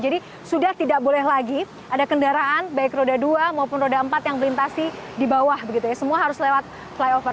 jadi sudah tidak boleh lagi ada kendaraan baik roda dua maupun roda empat yang melintasi di bawah begitu ya semua harus lewat flyover